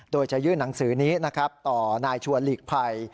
โดยจะยื่นหนังสือนี้นะครับต่อนายชวนหลีกภัย